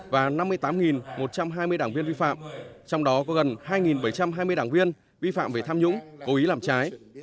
và năm mươi tám một trăm hai mươi đảng viên vi phạm trong đó có gần hai bảy trăm hai mươi đảng viên vi phạm về tham nhũng cố ý làm trái